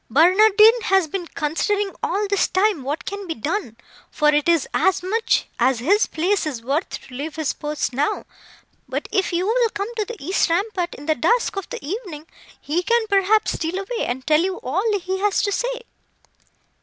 "Barnardine has been considering all this time what can be done, for it is as much as his place is worth to leave his post now. But, if you will come to the east rampart in the dusk of the evening, he can, perhaps, steal away, and tell you all he has to say."